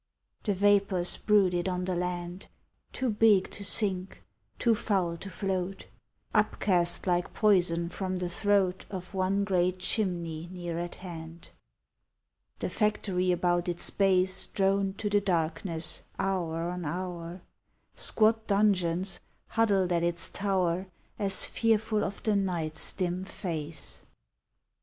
The vapors brooded on the land, Too big to sink, too foul to float, Upcast like poison from the throat Of one great chimney near at hand. The factory about its base Droned to the darkness, hour on hour Squat dungeons, huddled at its tow r, As fearful of the night s dim face.